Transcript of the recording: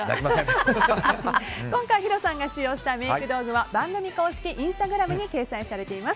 今回ヒロさんが使用したメイク道具は番組公式インスタグラムに掲載されています。